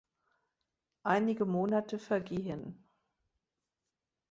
Einige Monate vergehen.